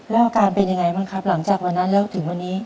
แล้วอาการเป็นยังไงบ้างครับหลังจากวันนั้นแล้วถึงวันนี้